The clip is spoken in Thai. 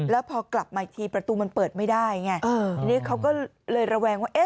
แล้วพอกลับมาอีกทีประตูมันเปิดไม่ได้ไงทีนี้เขาก็เลยระแวงว่าเอ๊ะ